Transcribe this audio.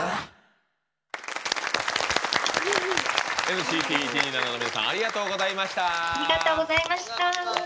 ＮＣＴ１２７の皆さんありがとうございました。